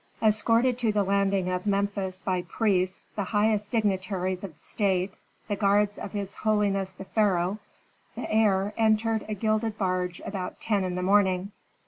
Escorted to the landing of Memphis by priests, the highest dignitaries of the state, the guards of his holiness the pharaoh, the heir entered a gilded barge about ten in the morning.